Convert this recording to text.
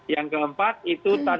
yang keempat itu